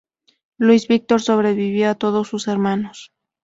Luis Víctor sobrevivió a todos sus hermanos.